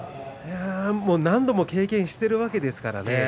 何度も経験しているわけですからね